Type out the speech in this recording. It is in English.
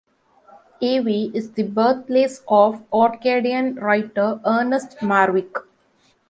Evie is the birthplace of Orcadian writer Ernest Marwick.